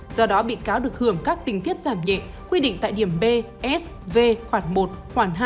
do đó bị cáo được hưởng các tình tiết giảm nhẹ quy định tại điểm b s v khoảng một khoảng hai